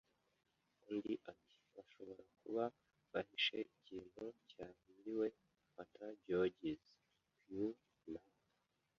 Undi ati: "Bashobora kuba bahishe ikintu cyahiriwe." “Fata Georges, Pew, na